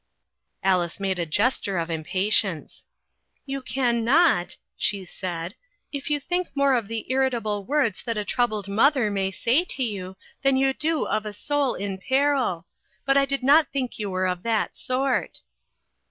" Alice made a gesture of impatience. 344 INTERRUPTED. "You can not" she said, "if you think more of the irritable words that a troubled mother may say to you than you do of a soul in peril ; but I did not think you were of that sort."